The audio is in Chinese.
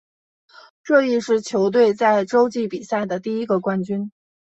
这亦是球队在洲际比赛的第一个冠军。